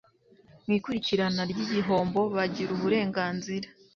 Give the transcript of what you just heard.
mu ikurikirana ry igihombo bagira uburenganzira